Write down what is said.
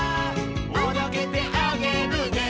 「おどけてあげるね」